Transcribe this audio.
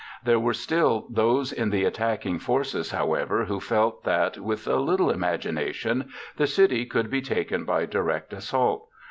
There were still those in the attacking forces, however, who felt that, with a little imagination, the city could be taken by direct assault.